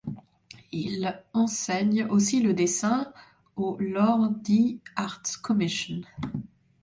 Il enseigne aussi le dessin au Lodi Arts Commission.